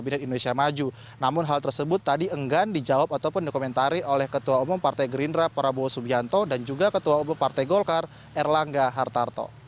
kabinet indonesia maju namun hal tersebut tadi enggan dijawab ataupun dikomentari oleh ketua umum partai gerindra prabowo subianto dan juga ketua umum partai golkar erlangga hartarto